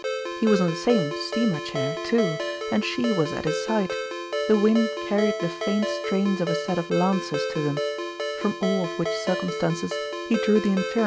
He w r as on the same steamer chair, too, and she was at his side ; the wind carried the faint strains of a set of " Lancers " to them ; from all of which circumstances he drew the infer il cm& <E0mtterf0il.